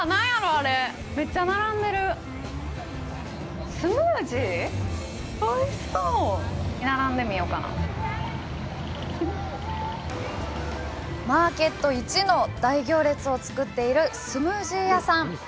あれめっちゃ並んでるおいしそう並んでみようかなマーケットいちの大行列を作っているスムージー屋さん